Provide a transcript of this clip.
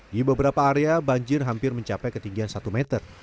di beberapa area banjir hampir mencapai ketinggian satu meter